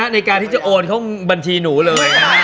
ในการที่จะโอนเข้าบัญชีหนูเลย